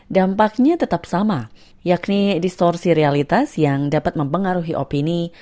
dampaknya tetap sama yakni distorsi realitas yang dapat mempengaruhi opini